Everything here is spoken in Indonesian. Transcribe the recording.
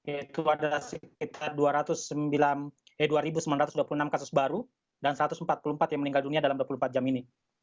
itu ada sekitar dua sembilan ratus dua puluh enam kasus baru dan satu ratus empat puluh empat yang meninggal dunia dalam dua puluh empat jam ini